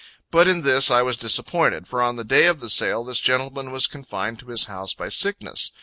But in this I was disappointed; for on the day of sale this gentleman was confined to his house by sickness.